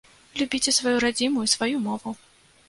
Любіце сваю радзіму і сваю мову.